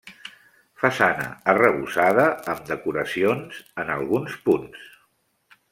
Façana arrebossada amb decoracions en alguns punts.